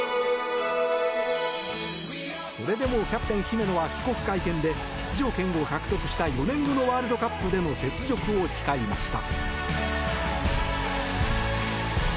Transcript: それでも、キャプテン姫野は帰国会見で出場権を獲得した４年後のワールドカップでの雪辱を誓いました。